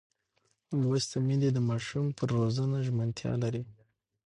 لوستې میندې د ماشوم پر روزنه ژمنتیا لري.